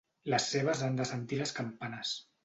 Les cebes han de sentir les campanes.